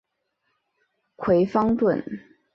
葵芳邨。